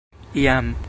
jam